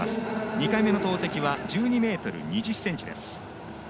２回目の投てきは１２ｍ２０ｃｍ。